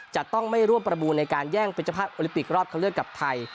จะต้องไม่ร่วมประมูลในการแย่งเป็นเจ้าภาพโอลิปิกรอบเขาเลือกกับไทย